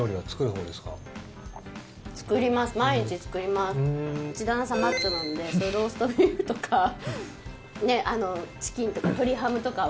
うち、旦那さんマッチョなんでローストビーフとかチキンとか鶏ハムとかは。